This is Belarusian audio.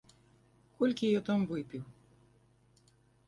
Колькі ён там выпіў!